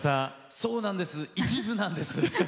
そうなんです一途なんです。